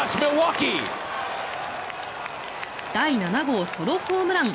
第７号ソロホームラン。